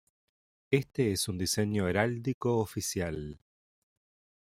Este es un diseño heráldico oficial.